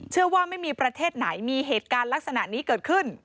เชื่อว่าไม่มีประเทศไหนมีเหตุการณ์ลักษณะนี้เกิดขึ้น